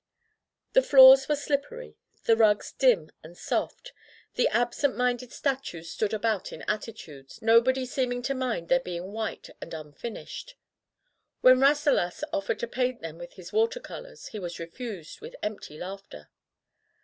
The floors were slippery, the rugs dim and soft, and absent minded statues stood about in attitudes, nobody seeming to mind their being white and unfinished. When Rasselas offered to paint them with his water colors, he was refused with empty laughter.